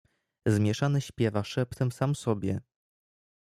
"Zmieszany śpiewa szeptem sam sobie."